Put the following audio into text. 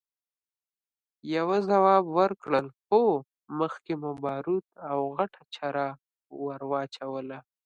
يوه ځواب ورکړ! هو، مخکې مو باروت او غټه چره ور واچوله!